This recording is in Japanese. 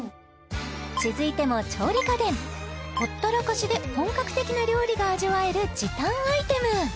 続いても調理家電ほったらかしで本格的な料理が味わえる時短アイテム